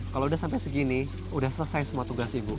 kalau udah sampai segini udah selesai semua tugas ibu